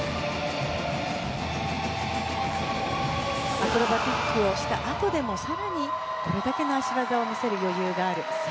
アクロバティックをしたあとでも更にこれだけの脚技を見せる余裕がある。